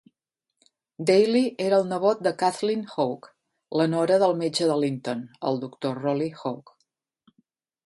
Daly era el nebot de Kathleen Hogue, la nora del metge de Linton, el Doctor Rolly Hogue.